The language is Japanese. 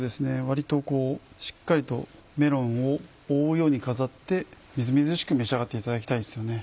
割としっかりとメロンを覆うように飾ってみずみずしく召し上がっていただきたいですよね。